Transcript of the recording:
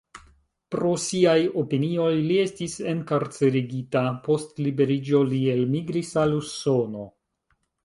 Pro siaj opinioj li estis enkarcerigita, post liberiĝo li elmigris al Usono.